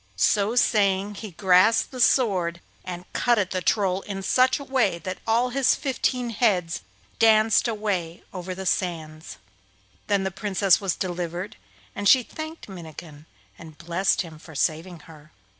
So saying he grasped his sword, and cut at the Troll in such a way that all his fifteen heads danced away over the sands. Then the Princess was delivered, and she thanked Minnikin and blessed him for saving her.